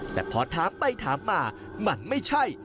แต่พอถามไปถามมามันไม่ใช่